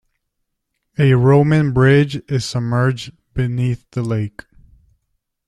A Roman bridge is submerged beneath the lake.